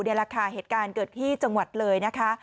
ในราคาเหตุการณ์เกิดที่จังหวัดเลยนะคะ